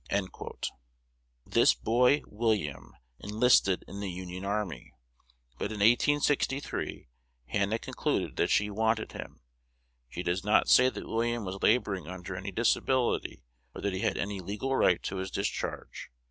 '" This boy William enlisted in the Union army. But in 1863 Hannah concluded she "wanted" him. She does not say that William was laboring under any disability, or that he had any legal right to his discharge.